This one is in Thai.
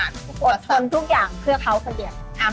อดทนทุกอย่างเพื่อเขาคนเดียว